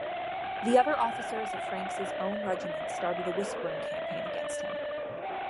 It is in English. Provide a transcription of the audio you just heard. The other officers of Franks's own regiment started a whispering campaign against him.